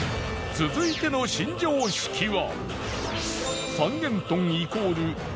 続いての新常識は。